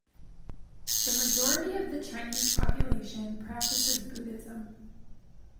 The majority of the Chinese population practises Buddhism.